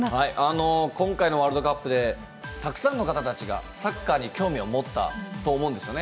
今回のワールドカップでたくさんの方たちがサッカーに興味を持ったと思うんですよね。